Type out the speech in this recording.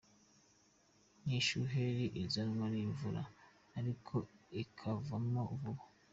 Ni ishuheri izanwa n’imvura ariko ikavamo vuba.